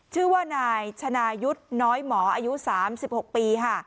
ชื่อว่านายชนายุทธ์น้อยหมออายุ๓๖ปีค่ะ